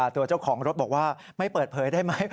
ตัวเจ้าของรถบอกว่าไม่เปิดเผยได้ไหม